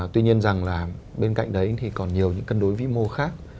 tuy nhiên rằng là bên cạnh đấy thì còn nhiều những cân đối vĩ mô khác